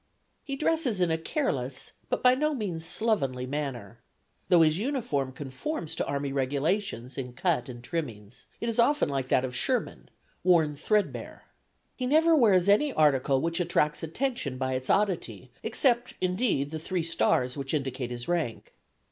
He dresses in a careless, but by no means slovenly manner. Though his uniform conforms to army regulations in cut and trimmings, it is often like that of Sherman worn threadbare. He never wears any article which attracts attention by its oddity, except, indeed, the three stars which indicate his rank.